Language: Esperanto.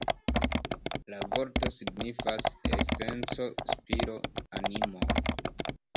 La vorto signifas "esenco, spiro, animo".